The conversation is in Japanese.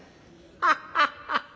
ハハハハ！